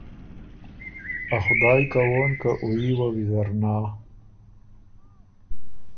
ا خدایٛ کوون که او يي وه ویزر نا۔